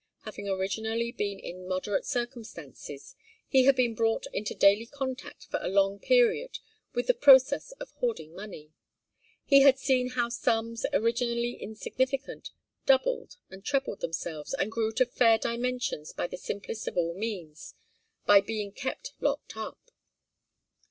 Having originally been in moderate circumstances, he had been brought into daily contact for a long period with the process of hoarding money. He had seen how sums, originally insignificant, doubled and trebled themselves, and grew to fair dimensions by the simplest of all means, by being kept locked up.